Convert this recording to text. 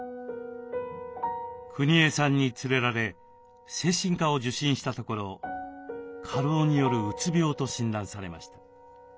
くにえさんに連れられ精神科を受診したところ過労によるうつ病と診断されました。